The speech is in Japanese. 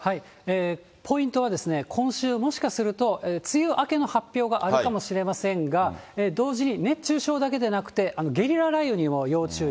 ポイントは今週、もしかすると、梅雨明けの発表があるかもしれませんが、同時に熱中症だけでなくて、ゲリラ雷雨にも要注意。